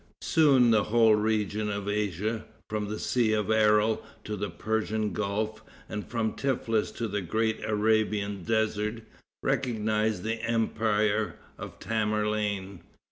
Soon the whole region of Asia, from the Sea of Aral to the Persian Gulf, and from Teflis to the great Arabian desert, recognized the empire of Tamerlane.